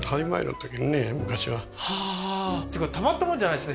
はあーっていうかたまったもんじゃないですね